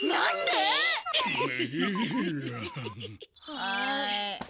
はい。